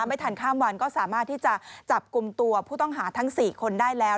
ไม่ทันข้ามวันก็สามารถที่จะจับกลุ่มตัวผู้ต้องหาทั้ง๔คนได้แล้ว